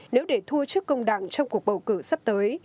nếu để thua trước công đảng trong cuộc bầu cử sắp tới